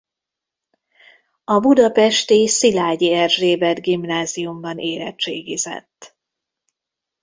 A budapesti Szilágyi Erzsébet Gimnáziumban érettségizett.